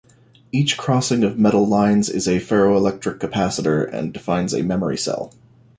Each crossing of metal lines is a ferroelectric capacitor and defines a memory cell.